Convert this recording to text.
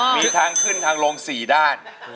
มีทางขึ้นทางลง๔ด้าน